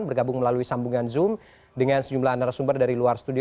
bergabung melalui sambungan zoom dengan sejumlah narasumber dari luar studio